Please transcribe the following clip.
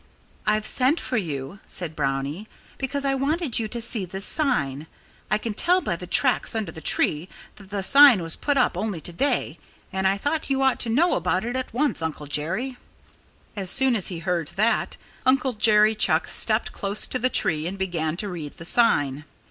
"I've sent for you," said Brownie, "because I wanted you to see this sign. I can tell by the tracks under the tree that the sign was put up only to day. And I thought you ought to know about it at once, Uncle Jerry." As soon as he heard that, Uncle Jerry Chuck stepped close to the tree and began to read the sign.